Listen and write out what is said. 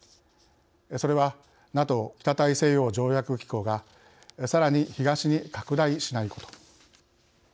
それはＮＡＴＯ＝北大西洋条約機構がさらに東に拡大しないこと。